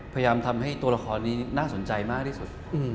พยายามทำให้ตัวละครนี้น่าสนใจมากที่สุด